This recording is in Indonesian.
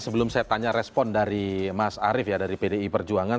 sebelum saya tanya respon dari mas arief ya dari pdi perjuangan